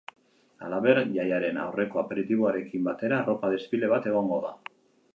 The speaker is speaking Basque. Halaber, jaiaren aurreko aperitiboarekin batera, arropa desfile bat egongo da.